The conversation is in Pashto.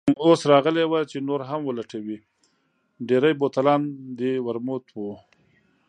اوس راغلې وه چې نور هم ولټوي، ډېری بوتلان د ورموت وو.